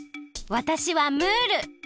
わたしはムール。